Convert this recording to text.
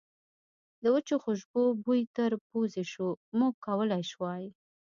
د وچو خوشبو بوی تر پوزې شو، موږ کولای شوای.